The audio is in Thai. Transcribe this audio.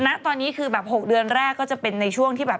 ณตอนนี้คือแบบ๖เดือนแรกก็จะเป็นในช่วงที่แบบ